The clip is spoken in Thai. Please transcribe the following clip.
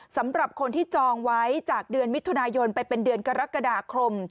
สำหรับคนที่จองไว้จากเดือนมิถุนายนไปเป็นเดือนกรกฎาคม